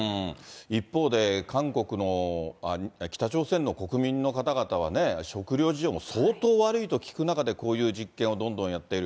一方で、北朝鮮の国民の方々はね、食糧事情も相当悪いと聞く中で、こういう実験をどんどんやっている。